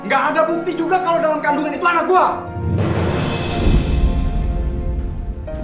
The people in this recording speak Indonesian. gak ada bukti juga kalau dalam kandungan itu anak buah